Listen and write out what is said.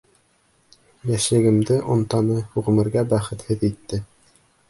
Йәшлегемде онтаны, ғүмергә бәхетһеҙ итте!